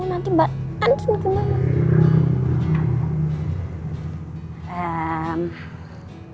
nanti mbak an juga nangis